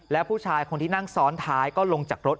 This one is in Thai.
แล้วผู้ชายคนที่นั่งซ้อนท้ายก็ลงจากรถ